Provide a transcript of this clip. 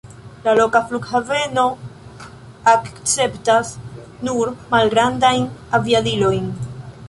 La loka flughaveno akceptas nur malgrandajn aviadilojn.